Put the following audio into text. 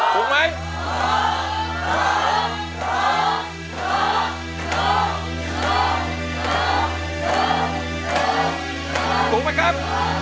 สวัสดีครับ